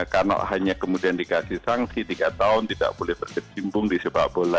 karena hanya kemudian dikasih sanksi tiga tahun tidak boleh berkecimpung di sepak bola